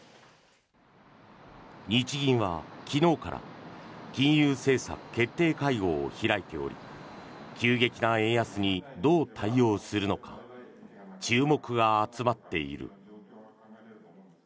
日銀は昨日から金融政策決定会合を開いており急激な円安にどう対応するのか注目が集まっている。